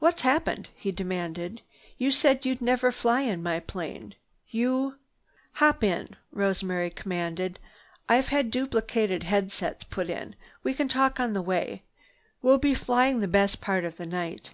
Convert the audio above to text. "What's happened?" he demanded. "You said you'd never fly in my plane. You—" "Hop in," Rosemary commanded. "I've had duplicated head sets put in. We can talk on the way. We'll be flying the best part of the night."